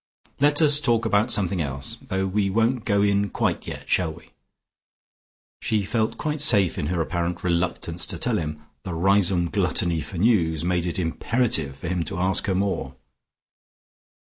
Let us talk about something else, though we won't go in quite yet, shall we?" She felt quite safe in her apparent reluctance to tell him; the Riseholme gluttony for news made it imperative for him to ask more.